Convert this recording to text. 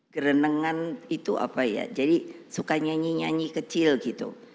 gerenengan itu apa ya jadi suka nyanyi nyanyi kecil gitu